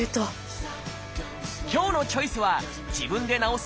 今日の「チョイス」は自分で治す！